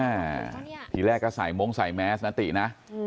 ทีแรกก็ใส่ม้งใส่แมสนะตินะ